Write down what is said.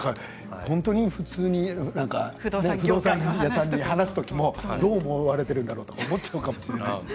本当に普通に不動産屋さんに話すときもどう思われているんだろうとか思っちゃうかもしれない。